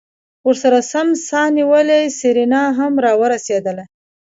ورسرہ سم سا نيولې سېرېنا هم راورسېدله.